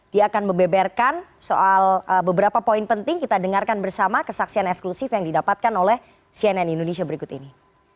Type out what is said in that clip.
dia akan membeberkan soal beberapa poin penting kita dengarkan bersama kesaksian eksklusif yang didapatkan oleh cnn indonesia berikut ini